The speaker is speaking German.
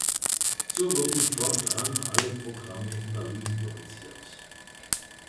So wurden fortan alle Programme in Berlin produziert.